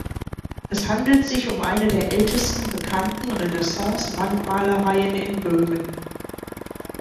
Es handelt sich um eine der ältesten bekannten Renaissance-Wandmalereien in Böhmen.